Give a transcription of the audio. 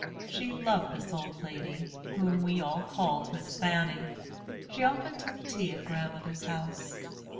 She loved this old lady, whom we all called Miss Fanny. She often took tea at grandmother's house.